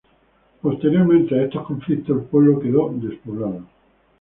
Posteriormente a estos conflictos el pueblo quedó despoblado.